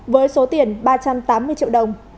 với số tiền ba trăm tám mươi triệu đồng